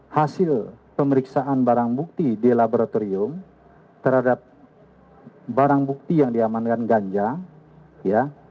hasil pemeriksaan barang bukti di laboratorium terhadap barang bukti yang diamankan ganja ya